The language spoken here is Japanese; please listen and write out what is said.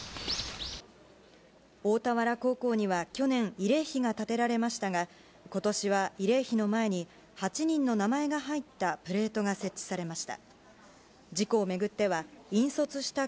大田原高校には去年、慰霊碑が建てられましたが、ことしは慰霊碑の前に８人の名前が入ったプレートが設置されまし